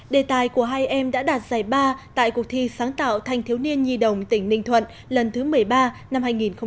đề tài của hai em đã đạt giải ba tại cuộc thi sáng tạo thanh thiếu niên nhi đồng tỉnh ninh thuận lần thứ một mươi ba năm hai nghìn một mươi chín